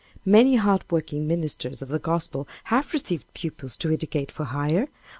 "Many hard working ministers of the Gospel have received pupils to educate for hire.